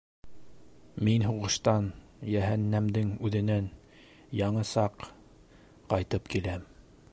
Мин һуғыштан... йәһәннәмдең үҙенән яңы саҡ... ҡайтып киләм.